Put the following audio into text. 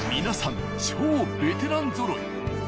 皆さん超ベテランぞろい。